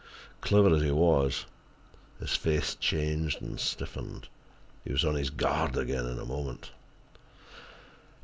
Clever as he was, his face changed and stiffened. He was on his guard again in a moment.